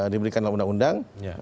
diberikan oleh undang undang